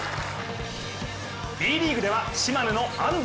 Ｂリーグでは島根の安藤。